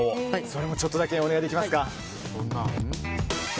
それもちょっとだけお願いできますか。